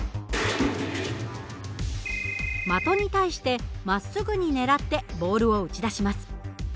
的に対してまっすぐにねらってボールを撃ち出します。